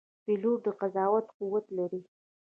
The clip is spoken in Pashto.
پیلوټ د قضاوت قوت لري.